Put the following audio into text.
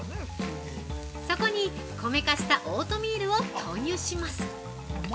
そこに、米化したオートミールを投入します！